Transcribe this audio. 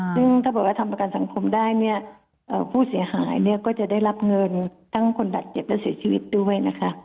ซึ่งถ้าบอกว่าทำประกันสังคมได้เนี่ยผู้เสียหายเนี่ยก็จะได้รับเงินทั้งคนบาดเจ็บและเสียชีวิตด้วยนะคะ